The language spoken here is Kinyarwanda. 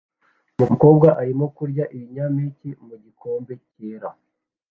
Umukobwa arimo kurya ibinyampeke mu gikombe cyera